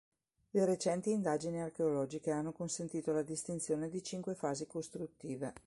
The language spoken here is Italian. Le recenti indagini archeologiche hanno consentito la distinzione di cinque fasi costruttive.